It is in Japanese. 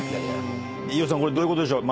飯尾さんどういうことでしょう？